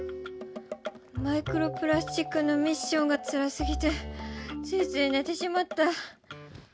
マイクロプラスチックのミッションがつらすぎてついついねてしまった！